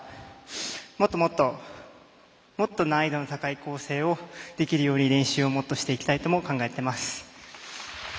もっともっともっと難易度の高い構成をできるように練習をもっとしていきたいとも考えています。